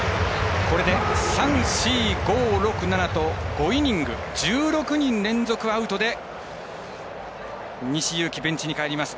これで３、４、５、６、７と５イニング１６人連続アウトで西勇輝、ベンチに帰ります。